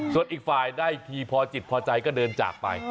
ส่วนอีกฝ่ายได้ทีพอจิตพอใจก็เดินจากไป